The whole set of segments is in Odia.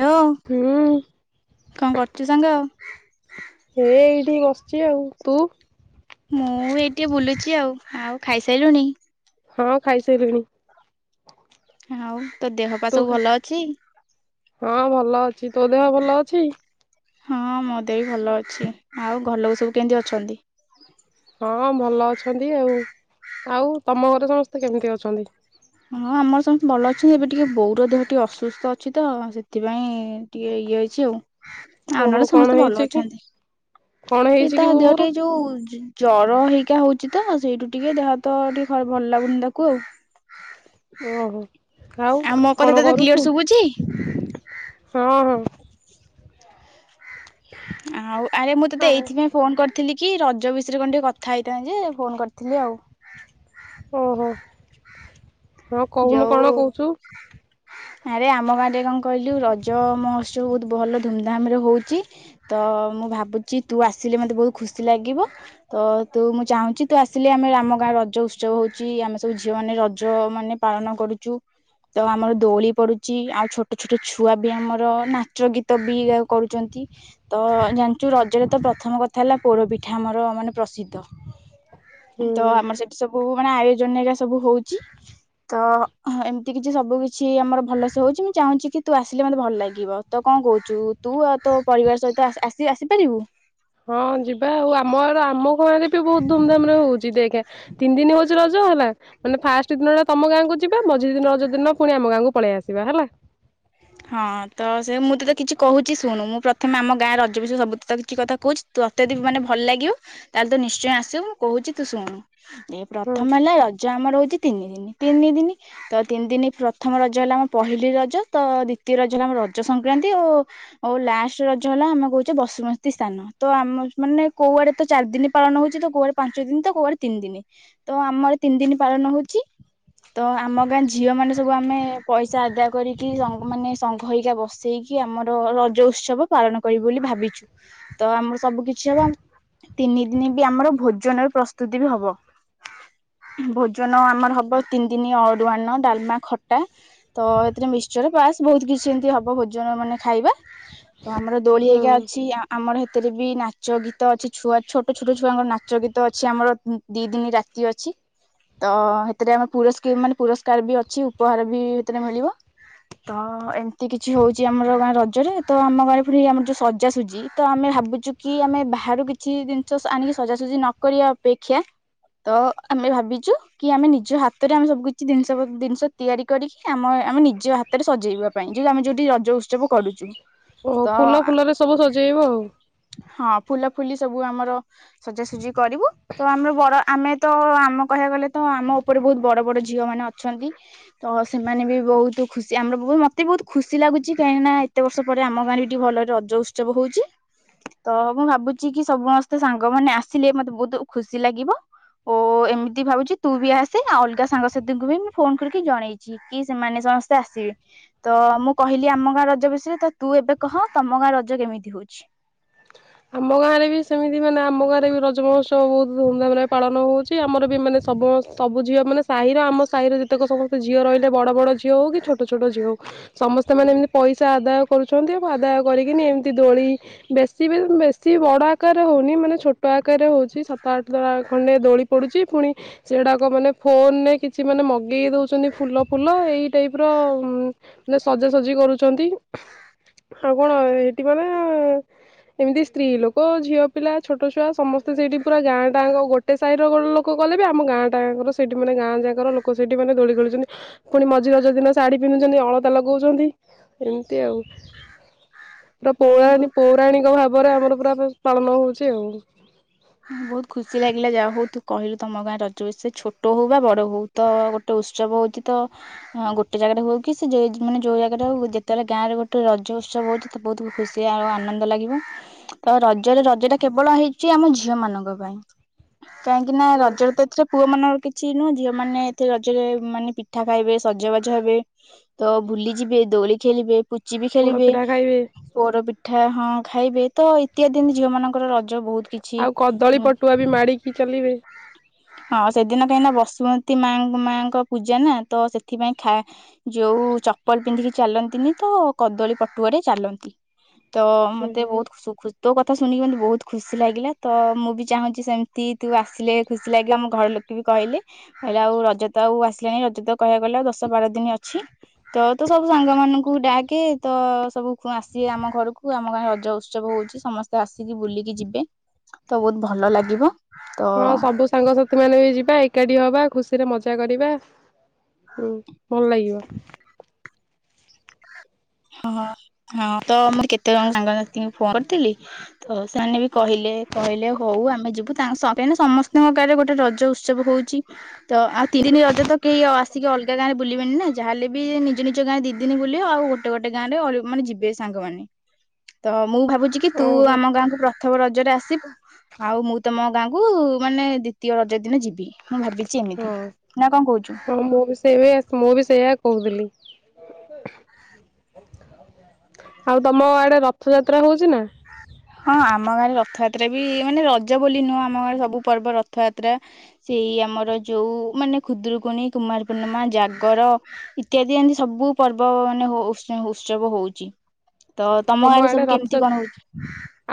ହ୍ୟାଲୋ ହୁଁ କଣ କରୁଛୁ ସାଙ୍ଗ? ହେ ଏଇଠି ବସିଛି, ଆଉ ତୁ? ମୁଁ ଏଇ ଟି ବୁଲୁଛି ଆଉ ଆଉ ଖାଇସାଇଲୁଣିି? ହଁ ଖାଇସାଇଲିଣି। ଆଉ ତୋ ଦେହ ପା ସବୁ ଭଲ ଅଛି? ହଁ ଭଲ ଅଛି ତୋ ଦେହ ଭଲ ଅଛି? ହଁ ମୋ ଦେହ ବି ଭଲ ଅଛି, ଆଉ ଘର ଲୋକ ସବୁ କେମିତି ଅଛନ୍ତି? ହଁ ଭଲ ଅଛନ୍ତି ଆଉ ଆଉ ତମ ଘରେ ସମସ୍ତେ କେମିତି ଅଛନ୍ତି? ହଁ ଆମର ସମସ୍ତେ ଭଲ ଅଛନ୍ତି, ଏବେ ଟିକେ ବୋଉର ଦେହ ଟିକେ ଅସୁସ୍ଥ ଅଛି ତ ସେଥିପାଇଁ ଟିକେ ଇଏ ହେଇଛି ଆଉ। ଆଉ ଓହୋ ନହେଲେ କଣ ସମସ୍ତେ ହେଇଛି ଭଲ କି ଅଛନ୍ତି କଣ ଏଇ ହେଇଛି କି ତା ଦେହ ବୋଉଙ୍କର ଟିକେ ଯୋଉ ଜର ହେଇକା ହଉ ଛି ତ ସେଇଠୁ ଟିକେ ଦେହ ହାତ ଟିକେ ଖ ଭଲ ଲାଗୁନି ତାକୁ ଆଉ। ଓହୋ। ଆଉ ମୋ କଥା କଣ ତତେ କ୍ଲିୟର କରୁଛୁ, ଶୁଭୁଛି ହଁ ହଁ। ଆଉ ଆରେ ମୁଁ ତୋତେ ଆଉ ଏଇଥିପାଇଁ ଫୋନ କରିଥିଲି କି ରଜ ବିଷୟ ରେ କଣ ଟିକେ କଥା ହେଇଥାନ୍ତେ ଫୋନ କରିଥିଲି ଆଉ। ଓହୋ। ହଁ କହୁନୁ ଯୋଉ କଣ କହୁଛୁ। ଆରେ ଆମ ଗାଁରେ କଣ କହିଲୁ ରଜ ମହୋତ୍ସବ ବହୁତ ଭଲ ଧୁମଧାମ ରେ ହଉଛି ତ ମୁଁ ଭାବୁଛି ତୁ ଆସିଲେ ମତେ ବହୁତ ଖୁସି ଲାଗିବ ତ ତୁ ମୁଁ ଚାହୁଁଛି ତୁ ଆସିଲେ ଆମେ ଆମ ଗାଁରେ ରଜ ଉତ୍ସବ ହଉଛିି ଆମେ ସବୁ ଝିଅ ମାନେ ରଜ ମାନେ ପାଳନ କରୁଛୁ ତ ଆମର ଦୋଳି ପଡୁଛି ଆଉ ଛୋଟ ଛୋଟ ଛୁଆ ବି ଆମର ନାଚ ଗୀତ ବି କରୁଛନ୍ତି ତ ଜାଣିଛୁ ରଜରେ ତ ପ୍ରଥମ କଥା ହେଲା ପୋଡ଼ପିଠା ଆମର ମାନେ ପ୍ରସିଦ୍ଧ। ତ ହୁଁ ଆମର ସେଠି ସବୁ ମାନେ ଆୟୋଜନ ହେରିକା ସବୁ ହଉଛି। ତ ଏମିତି କିଛି ସବୁ କିଛି ଆମର ଭଲସେ ହଉଛି ମୁଁ ଚାହୁଁଛି କି ତୁ ଆସିଲେ ମତେ ଭଲ ଲାଗିବ ତ କଣ କହୁଛୁ ତୁ ଆଉ ତୋ ପରିବାର ସହିତ ଆ ଆସି ଆସିପାରିବୁ। ହଁ ଯିବା ଆଉ ଆମର ଆମ ଆମ ଗାଁ ରେ ବି ବହୁତ ଧୁମଧାମ ରେ ହଉଛି ଦେଖେ। ତିନି ଦିନି ହଉ ଛି ରଜ ହେଲା ମାନେ ଫାଷ୍ଟ ଦିନ ଟା ତମ ଗାଁକୁ ଯିବା ମଝି ଦି ଦିନ ରଜ ଦିନ ପୁଣି ଆମ ଗାଁକୁ ପଳେଇ ଆସିବା ହେଲା। ହଁ ତ ସେ ମୁଁ ତତେ କିଛି କହୁଛି ଶୁଣୁ ମୁଁ। ପ୍ରଥମେ ଆମ ଗାଁ ରଜ ବିଷୟ ରେ ସବୁ ତତେ କିଛି କଥା କହୁଛି ତୋତେ ଯଦି ମାନେ ଭଲ ଲାଗିବ ତାହେଲେ ତୁ ନିଶ୍ଚୟ ଆସିବୁ ମୁଁ କହୁଛିୁ ତୁ ଶୁଣୁ। ଏ ହୁଁ ପ୍ରଥମ ହେଲା ରଜ। ରଜ ଆମର ହଉଛି ତିନି ଦିନି ତିନି ଦିନି ତ ତିନି ଦିନ ପ୍ରଥମ ରଜ ହେଲା ଆମ ପହିଲି ରଜ ତ ଦି ତୀୟ ରଜ ହେଲା ଆମ ରଜ ସଂକ୍ରାନ୍ତି ଓ ଆଉ ଲାଷ୍ଟ ରଜ ହେଲା ଆମେ କହୁଛେ ବସୁମତୀ ସ୍ଥାନ ତ ଆମ ମାନେ କୋଉଆଡେ ତ ଚାରି ଦିନ ପାଳନ ହଉଛି ତ କୋଉଆଡେ ପାଞ୍ଚ ଦିନ ତ କୋଉଆଡେ ତିନି ଦିନ ତ ଆମର ତିନି ଦିନ ପାଳନ ହଉଛି ତ ଆମ ଗାଁ ଝିଅ ମାନେ ସବୁ ଆମେ ପଇସା ଆଦାୟ କରିକି ସଙ୍ଗ ମାନେ। ସଙ୍ଘ ହେଇକା ବସେଇକି ଆମର ର-ର-ରଜ ଉତ୍ସବ ପାଳନ କରିବୁ ବୋଲି ଭାବିଛୁ ତ ଆମର ସବୁ କିଛି ହବ ତିନି ଦିନ ବି ଆମର ଭୋଜନର ପ୍ରସ୍ତୁତି ବି ହବ ଭୋଜନ ଆମର ହବ ତିନି ଦିନ ଅରୁଆ ଅନ୍ନ ଡାଲମା ଖଟା ତ ଏଥିରେ ମିକସ୍ଚର ପାସ୍। ବହୁତ କିଛି ଏମିତି ହବ ଭୋଜନ ମାନେ ଖାଇବା। ତ ଆମର ଦୋଳି ଆଜ୍ଞା ହୁଁ ଅଛି ଆ-ଆ-ଆମର ହେ ସେଥିରେ ବି ନାଚ ଗୀତ ଅଛି ଛୁଆ ଛୋଟ ଛୋଟ ଛୁଆଙ୍କର ନାଚ ଗୀତ ଅଛି ଆମର ଦି ଦିନ ରାତି ଅଛି ତ ସେଥିରେ ଆମେ ପୁରସକୁ ମାନେ ପୁରସ୍କାର ବି ଅଛି ଉପହାର ବି ସେଥିରେ ମିଳିବ। ତ ଏମିତି କିଛି ହଉଛି ଆମର ଗାଁ ରଜରେ ତ ଆମ ଗାଁରେ ପୁଣି ଆମର ଯୋଉ ସଜାସୁଜି ତ ଆମେ ଭାବୁଛୁ କି ଆମେ ବାହାରୁ କିଛି ଜିନିଷ ଆଣିକି ସଜାସୁଜି ନ କରିବା ଅପେକ୍ଷା ତ ଆମେ ଭାବିଛୁ କି ଆମେ ନିଜ ହାତରେ ଆମେ ସବୁ କିଛି ଜିନିଷ ଜିନିଷ ତିଆରି କରିକି ଆମ ଆମେ ନିଜ ହା ହାତରେ ସଜେଇବା ପାଇଁ ଯୋଉ ଆମେ ଯୋଉଠି ରଜ ଉତ୍ସବ କରୁଛୁ। ଓ ଫୁଲ ତ ଫୁଲରେ ସବୁ ସଜେଇବ ଆଉ। ହଁ ଫୁଲା ଫୁଲି ସବୁ ଆମର ସଜାସଜି କରିବୁ ତ ଆମର ବଡ ଆମେ ତ ଆମ କହିବାକୁ ଗଲେ ତ ଆମ ଉପରେ ବହୁତ ବଡ ବଡ ଝିଅ ମାନେ ଅଛନ୍ତି ତ ସେମାନେ ବି ବହୁତୁ। ଖୁସି ଆମର ବହୁତ ମତେ ବି ବହୁତ ଖୁସି ଲାଗୁଛି କାହିଁକି ନା ଏତେ ବର୍ଷ ପରେ ଆମ ଗାଁରେ ବି ଟିକେ ଭଲରେ ରଜ ଉତ୍ସବ ହଉଛି ତ ମୁଁ ଭାବୁଛି କି ସମସ୍ତେ ସାଙ୍ଗ ମାନେ ଆସିଲେ ମତେ ବହୁତ ଖୁସି ଲାଗିବ ଓ ଏମିତି ଭାବୁଛି ତୁ ବି ଆସେ ଆଉ ଅଲଗା ସାଙ୍ଗସାଥିୀଙ୍କୁ ବି ମୁଁ ଫୋନ କରିକି ଜଣେଇଛି କି ସେମାନେ ସମସ ଆସିବି ତ ମୁଁ କହିଲି ଆମ ଗାଁ ରଜ ବିଷୟରେ ତ ତୁ ଏବେ କହ ତମ ଗାଁ ରଜ କେମିତି ହଉଛି। ଆମ ଗାଁରେ ବି ସେମିତି ମାନେ ଆମ ଗାଁରେ ବି ରଜମହୋତ୍ସ ବ ବହୁତ ଧୁମଧାମରେ ପାଳନ ହଉ ଆମର ବି ମାନେ ସବ ସବୁ ଝିଅ। ମାନେ ସାହିର ଆମ ସାହିର ଯେତକ ସମସ୍ତେ ଝିଅ ରହିଲେ ବଡ ବଡ ଝିଅ ହଉ କି ଛୋଟ ଛୋଟ ଝିଅ ହଉ ସମସ୍ତେ ମାନେ ଏମିତି ପଇସା ଆଦାୟ କରୁଛନ୍ତି ଆ ଆଦାୟ କରିକିନି ଏମିତି ଦୋଳି ବେଶୀ ବି ବେଶ ସି ବଡ ଆକାରରେ ହଉନି ମାନେ ଛୋଟ ଆକାରରେ ହଉଛି ସାତ ଆଠ ଦଳା ଖଣ୍ଡେ ଦୋଳି ପଡୁଛି ପୁଣି ସେଗୁଡ଼ାକ ମାନେ ଫୋନରେ କିଛି ମାନେ ମଗେଇ ଦଉଛନ୍ତି ଫୁଲ ଫୁଲ ଏଇ ଟାଇପ ର ଉମ ମାନେ ସଜାସଜି କରୁଛନ୍ତି ଆଉ କଣ ଏଇଠି ମାନେ ଏମିତି। ସ୍ତ୍ରୀ ଲୋକ ଝିଅ ପିଲା ଛୋଟ ଛୁଆ ସମସ୍ତେ ସେଇଠି ପୁରା ଗାଁ ଟାଙ୍କ ଗୋଟେ ସାହିର ଲୋକ ଗଲେ ବି ଆମ ଗାଁ ଟାଙ୍କର ସେଇଠି ମାନେ ଗାଁ ଯାକର ଲୋକ ସେଇଠି ମାନେ ଦୋଳି ଖେଳିୁଛନ୍ତି ପୁଣି ମଝି ରଜ ଦିନ ଶାଢୀ ପିନ୍ଧୁଛନ୍ତି ଅଳତା ଲଗଉଛନ୍ତି ଏମିତି ଆଉ। ଗୋଟେ ହୁଁ ପୌରାଣି ପୌରାଣିକ ଭାବ ବରା ଆମର ପୁରା ପାଳନ ହଉଛି ଆଉ। ବହୁତ ଖୁସି ଲାଗିଲା ଯାହା ହଉ ତୁ କହିଲୁ ତମ ଗାଁରେ ରଜ ବିଷୟେ ଛୋଟ ହଉ ବା ବଡ ହଉ ତ ଗୋଟେ ଉତ୍ସବ ହଉଛି ତ ଅଁ ଗୋଟେ ଜାଗାରେ ହଉ କି ସେ ଯେ ମାନେ ଯୋଉ ଜାଗାରେ ହଉ ଯେତେବେଳେ ଗାଁରେ ଗୋଟେ ରଜ ଉତ୍ସବ ହଉଛି ତ ବହୁତ ଖୁସି ଆଉ ଆନନ୍ଦ ଲାଗିବ। ତ ରଜରେ ରଜ ଟା କେବଳ ହେଇ ସେ ଆମ ଝିଅ ମାନଙ୍କ ପାଇଁ। କାହିଁକି ନା ରଜରେ ତ ଏଥିରେ ପୁଅ ମାନଙ୍କ କି ଛି ନୁହଁ ଝିଅମାନେ ଏଥିରେ ରଜରେ ମାନେ ପିଠା ଖାଇବେ ସଜବାଜ ହେବେ ତ ଭୁଲିଯିବେ ଦୋଳି ଖେଳିବେ ପୁ ଚି ବି ପୋଡ ଖେଳିବେ ପିଠା ଖାଇବେ ପୋର ପି ପିଠା ହଁ ଖାଇବେ ତ ଇତ୍ୟାଦି ଝିଅମାନଙ୍କର ରଜ ବହୁତ୍ କିଛି ଦଳି ପଟୁଆ ବି ମାଡ଼ିକି ଚଲିବେ। ହଁ ସେଦିନ କାହିଁ ନାଁ ବସୁମତୀ ମା ମାଙ୍କ ପୂଜା ନାଁ ତ ସେଥିପାଇଁ ଖା ଯୋଉ ଚପଲ ପିନ୍ଧିକି ଚାଲନ୍ତିନି ତ କଦଳୀ ପଟୁଆରେ ଚାଲନ୍ତି। ତ ମତେ ବୋହୁତ ଖୁସୁ ଖୁ ତୋ କଥା ଶୁଣିକି ମୋତେ ବୋହୁତ ଖୁସି ଲାଗିଲା ତ ମୁଁ ବି ଚାହୁଁଚି ସେମତି ତୁ ଆସିଲେ ଖୁସି ଲାଗିଲା ଆମ ଘର ଲୋକେ ବି କହିଲେ କହିଲେ ଆଉ ରଜ ତ ଆଉ ଆସିଲାଣି ରଜ ତ କହିବାକୁ ଗଲେ ଆଉ ଦଶ ବାର ଦିନି ଅଛି। ତ ତୁ ସବୁ ସାଙ୍ଗମାନଙ୍କୁ ଡାକେ ତ ସବୁ ପ ଆସିବେ ଆମ ଘରୁକୁ ଆମ ଗାଁରେ ରଜ ଉତ୍ସବ ହୋଉଚି ସମସ୍ତେ ଆସିକି ବୁଲିକି ଯିବେ ତ ବୋହୁତ ଭଲ ଲାଗିବ। ତ ସାଙ୍ଗସାଥିମାନେ ବି ଯିବା ଏ କାଟି ହବା ଖୁସିରେ ମଜା କରିବା। ହୁଁ ଭଲ ଲାଗିବ। ହଁ ହଁ ତ ମୁଁ କେତେ ଜଣ ସାଙ୍ଗସାଥିଙ୍କୁ ଫୋନ କରିଥିଲି ତ ସେମାନେ ବି କହିଲେ କହିଲେ ହୋଉ ଆମେ ଯିବୁ। ତା ସ କାହିଁକିନା ସମସ୍ତିଙ୍କ ଗାଁରେ ଗୋଟେ ରଜ ଉତ୍ସବ ହୋଉଚି ତ ଆଉ ତିରେନି ରଜ ତ କେହି ଆସିକି ଅଲଗା ଗାଁରେ ବୁଲିବେନି ନାଁ ଯାହା ହେଲେ ବି ନିଜ ନିଜ ଗାଁରେ ଦି ଦିନ ବୁଲିବ ଆଉ ଗୋ ଟେ ଗୋଟେ ଗାଁରେ ଅଳି ମାନେ ଯିବେ ସାଙ୍ଗମାନେ। ତ ମୁଁ ଭାବୁଚି କି ତୁ ଓହୋ ଆମ ଗାଁକୁ ପ୍ରଥମ ରଜରେ ଆସିବୁ। ଆଉ ମୁଁ ତମ ଗାଁକୁ ମାନେ ଦ୍ଵିତୀୟ ରଜ ଦିନ ଯିବି। ମୁଁ ଭାବିଛି ଏମିତି ହଁ ନା କଣ କହୁଛୁ? ହଁ ମୁଁ ବି ସେଇ ବି ଆ ମୁଁ ବି ସେଇଆ କୋହୁଥିଲି। ଆଉ ତମ ଆଡ଼େ ରଥଯାତ୍ରା ହୋଉଚି ନାଁ? ହଁ ଆମ ଗାଁରେ ରଥଯାତ୍ରା ବି ମାନେ ରଜ ବୋଲି ନୁହଁ ଆମ ଗାଁରେ ସବୁ ପର୍ବ ରଥଯାତ୍ରା ସେଇ ଆମର ଯୋଉ ମାନେ ଖୁଦୁରୁକୁଣୀ କୁମାର ପୂର୍ଣ୍ଣମା ଜାଗର ଇତ୍ୟାଦି ଏନ୍ତି ସବୁ ପର୍ବ ମାନେ ଉ ଉତ୍ସ ଉତ୍ସବ ହୋଉଚି। ତ ତମ ଗାଁରେ ଆଡେ ସବୁ କେମିତି ରଥଯାତ୍ରା କଣ ହୋଉଚି?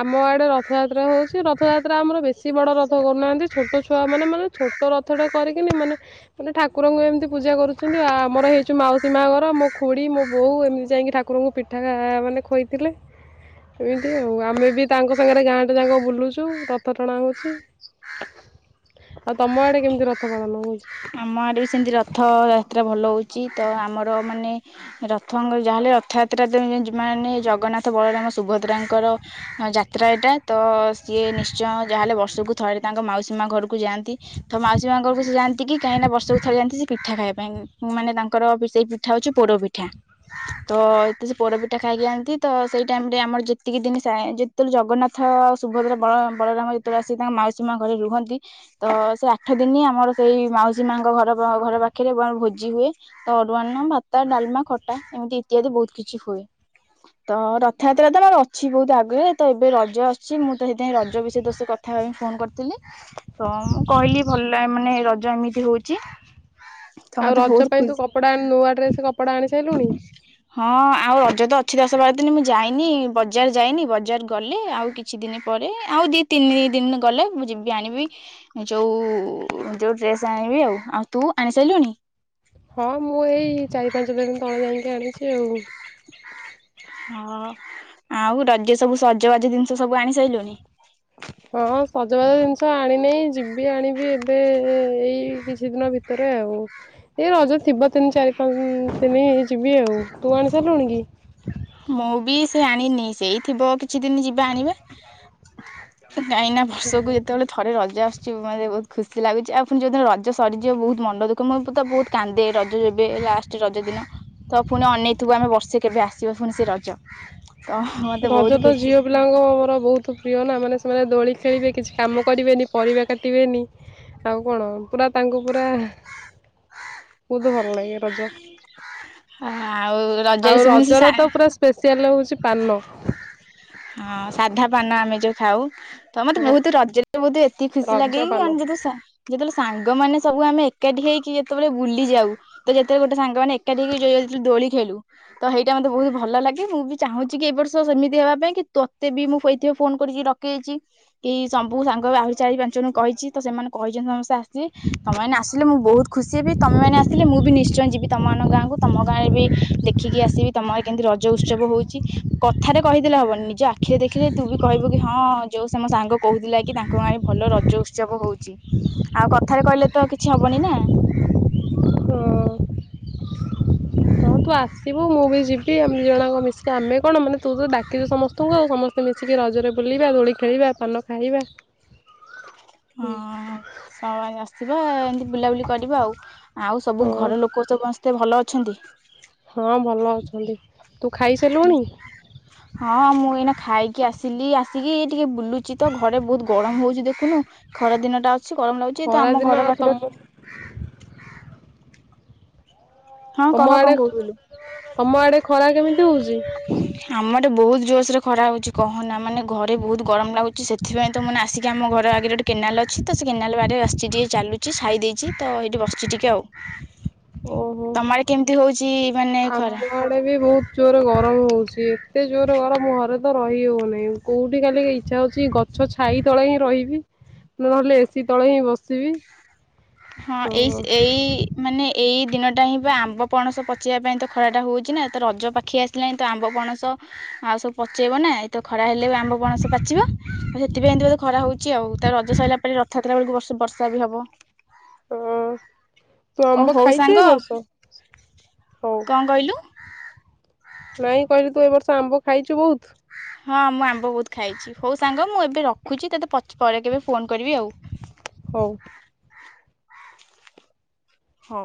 ଆମ ଆଡ଼େ ରଥଯାତ୍ରା ହୋଉଚି ରଥଯାତ୍ରା ଆମର ବେଶୀ ବଡ଼ ରଥ କରୁନାହାନ୍ତି ଛୋଟ ଛୁଆମାନେ ମାନେ ଛୋଟ ରଥଟେ କରିକିନି ମାନେ ମାନେ ଠାକୁରଙ୍କୁ ଏମିତି ପୂଜା କରୁଚନ୍ତି ଆମର ହେଇଚୁ ମାଉସୀ ମା ଘର ମୋ ଖୁଡ଼ି ମୋ ବୋଉ ଏମିତି ଯାଇଁକି ଠାକୁରଙ୍କୁ ପିଠା କା ମାନେ ଖୋଇ ଥିଲେ ଏମିତି ଆଉ ଆମେ ବି ତାଙ୍କ ସାଙ୍ଗେର ବାରେ ଗାଁଟା ଯାଁକ ବୁଲୁଚୁ ରଥ ଟଣା ହୋଉଚି। କେମିତି ରଥ ପାଳନ ହଉଛି? ଆମ ଆଡ଼େ ବି ସେମିତି ରଥ ଯାତ୍ରା ଭଲ ହୋଉ ଚି ତ ଆମର ମାନେ ରଥଙ୍କର ଯାହା ହେଲେ ରଥଯାତ୍ରା ଦିନ ମାନେ ଜଗନ୍ନାଥ ବଳରାମ ସୁଭଦ୍ରାଙ୍କର ଯାତ୍ରା ଏଟା ତ ସିଏ ନିଶ୍ଚୟ ଯାହେଲେ ବର୍ଷ ଚକୁ ଥରେ ତାଙ୍କ ମାଉସୀ ମା ଘରୁକୁ ଯାଆନ୍ତି। ତ ମାଉସୀ ମା ଘରୁକୁ ସେ ଯାଆନ୍ତି କି କାହିଁକି ନା ବର୍ଷୁକୁ ଥରେ ଯାଆନ୍ତି ସେ ପିଠା ଖାଇବା ପାଇଁ ମାନେ ତାଙ୍କର ପି ସେଇ ପିଠା ହୋଉଚି ପୋଡ଼ପିଠା। ତ ଏତେ ସେ ପୋଡ଼ପିଠା ଖାଇକି ଯାଆନ୍ତି ତ ସେଇ ଟାଇମରେ ଆମର ଯେତିକି ଦିନି ସାଏଁ ଯେତୋଳେ ଜଗନ୍ନାଥ ସୁଭଦ୍ରା ବଳ ବଳରାମ ଯେତୋଳେ ଆସିକି ତାଙ୍କ ମାଉସୀ ମାଆ ଘରେ ରୁହନ୍ତି ତ ସେ ଠ ଦିନି ଆମର ସେଇ ମାଉସୀ ମାଙ୍କ ଘର ପ ଘର ପାଖେରେ [unintelligible] ଭୋଜି ହୁଏ। ତ ଅରୁୁଆ ଅନ୍ନ ଭତ ଡାଲମା ଖଟା ଏମିତି ଇତ୍ୟାଦି ବୋହୁତ କିଛି ହୁଏ। ତ ରଥଯାତ୍ରା ତ ଆମର ଅଛି ବୋହୁତ ଆଗରେ ତ ଏବେ ରଜ ଆସଚି ମୁଁ ତ ହେତେଇଁ ରଜ ବିଷୟ ତୋ ସହ କଥା ହେବା ପାଇଁ ଫୋନ କରିଥିଲି। ତ ମୁଁ କହିଲି ଭଲଲାଏ ମାନେ ରଜ ଏମିତି ହୋଉଚି। ଆଉ ରଜ ପାଇଁ ତୁ କପଡ଼ା ନୂଆ ଡ୍ରେସ କପଡ଼ା ଆଣି ସାଇଲୁଣି? ଛି ଦଶ ବାର ଦିନି ମୁଁ ଯାଇନି ବଜାର ଯାଇନି ବଜାର ଗଲେ ଆଉ କିଛି ଦିନି ପରେ ଆଉ ଦି ତିନି ଦିନ ଗଲେ ମୁଁ ଯିବି ଆଣିବି ଯୋଉ ଉ ଯୋଉ ଡ୍ରେସ୍ ଆଣିବି ଆଉ। ଆଉ ତୁ ଆଣି ସାଇଲୁଣି? ହଁ ମୁଁ ଏଇ ଚାରି ପାଞ୍ଚ ଦିନ ତଳେ ଯାଇକି ଆଣିଛି ଆଉ। ହଁ ଆଉ ରଜ ସବୁ ସଜବାଜ ଜିନିଷ ସବୁ ଆଣି ସାଇଲୁଣି? ହଁ ସଜବାଜ ଜିନିଷ ଆଣିନହି ଯିବି ଆଣିବି ଏବେ ଏଇ କିଛି ଦିନ ଭିତରେ। ଭିତରେ ଆଉ ଏଇ ରଜ ଥିବ ତିନି ଚାରି ପାଞ୍ଚ ଦିନଇ ଯିବି ଆଉ। ତୁ ଆଣି ସ ଲୁଣଗି? ମୁଁ ବି ସେ ଆଣିନି ସେଇ ଥିବ କିଛି ଦିନ ଯିବା ଆଣିବା କଇଁ ନା ବର୍ଷକୁ ଯେତେବେଳେ ଥରେ ରଜା ଆସୁଛି। ମୋତେ ବହୁତ ଖୁସି ଲାଗୁଛି ଆଉ ପୁଣି ଯୋଉଦିନ ରଜ ସରିଯିବ ବହୁତ ମନ ଦୁଖ ମୁଁ ତ ବହୁତ କାନ୍ଦେ ରଜ ଯବେ ଲାଷ୍ଟ ରଜ ଦିନ ତ ପୁଣି ଅନେେଇଥିବୁ ଆମେ ବର୍ଷେ କେବେ ଆସୁ ଶିବ ଶୁଣସି ରଜ - ରଜ ତ ଝିଅ ପିଲାଙ୍କ ମୋର ବହୁତ ପ୍ରିୟ ନା ମାନେ ସେମାନେ ଦୋଳି ଖେଳିବେ କିଛି କାମ କରିବେନି ପରିବା କାଟିବେନି ଆଉ କଣ ପୁରା ତାଙ୍କୁ ପୁରା ବହୁତ ଭଲ ଲାଗେ ରଜ ଆଉ ଆଉ ରଜରେ ସେ ପୁଣି ସେ ରଜର ସା, ତ ପୁରା ସ୍ପେଶଆଲ ହଉଛି ପାନ ହଁ ସାଧା ପାନ ଆମେ ଯୋଉ ଖାଉ ତ ମତେ ହଁ ବହୁତ ରଜ ବହୁତ ଏତିକି ଖୁସି ରଜ ଲାଗେି ପାନ ଯେତେବେ ଯେତେବେଳେ ସାଙ୍ଗ ମାନ ସବୁ ଆମେ ଏକାଠି ହେଇକି ଯେତେବେଳେ ବୁଲି ଯାଉ ତ ଯେତେବେଳେ ଗୋଟେ ସାଙ୍ଗମାନେ ଏକାଠି ହେଇି ଦୋଳି ଖେଳୁ ତ ସେଇଟା ମତେ ବହୁତ ଭଲ ଲାଗେ ମୁଁ ବି ଚାହୁଁଛି କି ଏ ବର୍ଷ ସେମିତି ହେବା ପାଇଁ କି ତୋତେ ବି ମୁଁ କହିଥିବ ଫୋନ କରିଛି ରଖି ଯାଇଛି ଏ ସବୁ ସାଙ୍ଗ ଆହୁରି ଚାରି ପାଞ୍ଚ ଜଣଙ୍କୁ କହିଛି ତ ସେମାନେ କହିଛନ୍ତି ସମସ୍ତେ ତମେ ଆସିଲେ ମୁଁ ବହୁତ ଖୁସି ବି ତମେ ମାନ ଆସିଲେ ମୁଁ ବି ନିଶ୍ଚୟ ଯିବି ତମ ମାନଙ୍କ ଗାଁକୁୁ ତମ ଗାଁରେ ବି ଦେଖିକି ଆସିବି ତମ କେମିତି ରଜ ଉତ୍ସବ ହଉଛି କଥାରେ କହିଥିଲେ ହବନି ଯୋଉ ଆଖିରେ ଦେଖିଲେ ତୁ ବି କହିବୁ କି ହଁ ଯୋଉ ସେ ମ ସାଙ୍ଗ କହୁଥିଲା କି ତାଙ୍କ ଆଣି ଭଲ ରଜ ଉତ୍ସବ ହଉଛି ଆଉ କଥାରେ କହିଲେ ତ କିଛି ହବନି ନା ହହଁନ୍ତୁ ଆସିବୁ ମୁଁ ବି ଯିବି ଏମିତି ଜଣା କ ମିଶିକି ଆମେ କଣ ମାନେ ତୁ ତ ଡାକଛୁ ସମସ୍ତଙ୍କୁ ଆଉ ସମସ୍ତେ ମିଶି ଆସିକି ରଜରେ ବୁଲିବା ଦୋଳି ଖେଳିବା ପାନ ଖାଇବା- ହଁ ଆସିବା ଏମତି ବୁଲାବୁଲି କରିବା ଆଉ ଆଉ ସବୁ ହଁ ଘର ଲୋକ ସମସ୍ତେ ଭଲ ଅ ଅଛନ୍ତି। ହଁ ଭଲ ଅଛନ୍ତି ତୁ ଖାଇସାରିଲୁଣି? ହଁ ମୁଁ ଏଇନା ଖାଇକି ଆସିଲି ଆସିକି ଟିକେ ବୁଲୁଚି ତ ଘରେ ବହୁତ ଗରମ ହଉଛି ଦେଖନୁ ଖରା ଦିନ ଟା କିଛି ଗରମ ଲାଗୁଛି ତ ଖରା ଆମ ଦିନ ଘର ଆଉ ପାଖରେ ତମ ହଁ କହ ତମ ଆଡେ କଣ କହୁଥିଲୁ? ତମ ଆଡେ ଖରା କେମିତି ହଉଛି? ଗୋଟେ ବହୁତ ଜୋସ ରେ ଖରା ହଉଛି କହନା ମାନେ ଘରେ ବହୁତ ଗରମ ଲାଗୁଛି ସେଥିପାଇଁ ତ ମାନେ ଆସିକି ଆମ ଘର ଆଗରେ ଗୋଟେ କେନାଲ ଅଛି ତ ସେ କେନାଲ ବାରେ ଆସିଛି ଟିକେ ଚାଲୁଛି ସାଇ ଦେଇେଇଛି ତ ସେଇଠି ବସଛି ଟିକେ ଆଉ। ଓହୋ ତମ ଆଡେ କେମିତି ହଉଛି ମାନେ ଖରା? ଆମ ଆଡେ ବି ବହୁତ ଜୋର ଗରମ ହଉଛି ଏତେ ଜୋର ଗରମ ଘରେ ତ ରହି ହଉନହିଁ କୋଉଠି କାଲି ଇଚ୍ଛା ହଉଛି ଗଛ ଛାଇ ତଳେ ହିଁ ରହିବି ନ ନହେଲେ ଏସିି ତଳେ ହିଁ ବସିବି। ହଁ ଏଇ ଏଇ ମାନେ ଏଇ ଦିନ ଟା ହିଁ ବା ଆମ୍ବ ପଣସ ପଚେଇବା ପାଇଁ ତ ଖରା ଟା ହଉଛି ନା ତ ରଜ ପାଖେଇ ଆସିଲାଣି ତ ଆମ୍ବ ପଣସ ଆଉ ସବୁ ପଚେଇବ ନା ଏ ତ ଖରା ହେଲେ ବି ଆମ୍ବ ପଣସ ପାଚିବ ଆଉ ସେଥିପାଇଁ ଖରା ହଉଛି ଆଉ ତ ରଜ ସରିଲା ପରେ ରଥଯାତ୍ରା ବେଳକୁ ବ ବର୍ଷା ବି ହବ ହଁ ତୁ ଓ ଆମ୍ବ ହଉ ଖାଇଛୁ ସାଙ୍ଗ ଏ ବର୍ଷ ହଉ? କଣ କହିଲୁ? ନାଇଁ କହିଲି ତୁ ଏ ବର୍ଷ ଆମ୍ବ ଖାଇଛୁ ବହୁତ। ହଁ ମୁଁ ଆମ୍ବ ବହୁତ ଖାଇଛି ହଉ ସାଙ୍ଗ ମୁଁ ଏବେ ରଖୁଛି ତତେ ପରେ କେବେ ଫୋନ କରିବି ଆଉ। ହଉ। ହଁ।